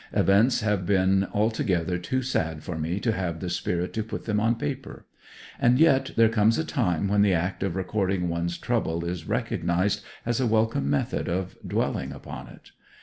Events have been altogether too sad for me to have the spirit to put them on paper. And yet there comes a time when the act of recording one's trouble is recognized as a welcome method of dwelling upon it